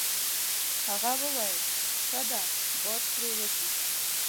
هغه وویل: ښه ده باد پرې وځي.